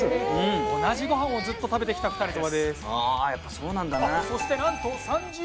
同じご飯をずっと食べてきた２人です。